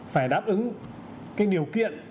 phải đáp ứng cái điều kiện